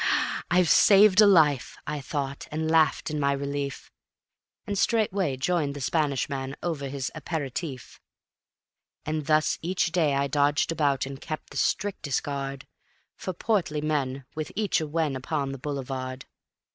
ha! I've saved a life," I thought; and laughed in my relief, And straightway joined the Spanish man o'er his apéritif. And thus each day I dodged about and kept the strictest guard For portly men with each a wen upon the Boulevard.